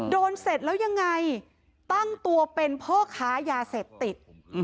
เสร็จแล้วยังไงตั้งตัวเป็นพ่อค้ายาเสพติด